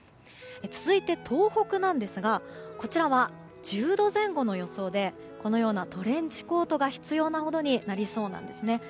続いて、東北ですがこちらは、１０度前後の予想でこのようなトレンチコートが必要なほどになりそうです。